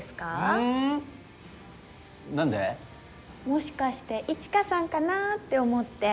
もしかして一華さんかなって思って。